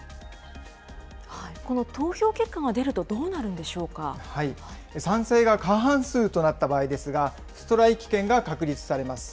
この投票結果が出ると、どう賛成が過半数となった場合ですが、ストライキ権が確立されます。